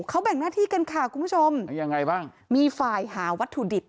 เขาแบ่งหน้าที่กันค่ะคุณผู้ชมยังไงบ้างมีฝ่ายหาวัตถุดิบ